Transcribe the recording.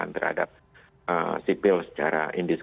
dan bersifat teritorial karena nun sprawding tersebut